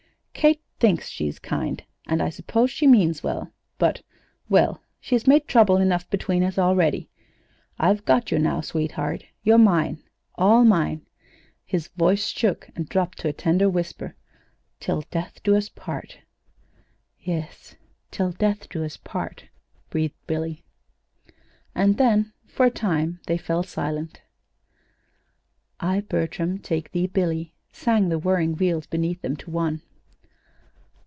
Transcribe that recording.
Kate thinks she's kind, and I suppose she means well; but well, she's made trouble enough between us already. I've got you now, sweetheart. You're mine all mine " his voice shook, and dropped to a tender whisper "'till death us do part.'" "Yes; 'till death us do part,'" breathed Billy. And then, for a time, they fell silent. "'I, Bertram, take thee, Billy,'" sang the whirring wheels beneath them, to one.